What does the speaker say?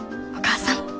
お母さん。